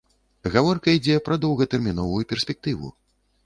Гаворка ідзе пра доўгатэрміновую перспектыву.